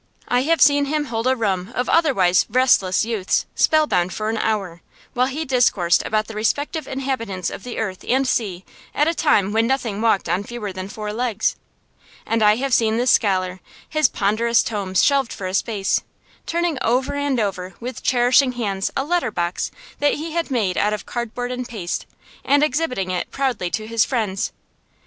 I have seen him hold a roomful of otherwise restless youths spellbound for an hour, while he discoursed about the respective inhabitants of the earth and sea at a time when nothing walked on fewer than four legs. And I have seen this scholar, his ponderous tomes shelved for a space, turning over and over with cherishing hands a letter box that he had made out of card board and paste, and exhibiting it proudly to his friends.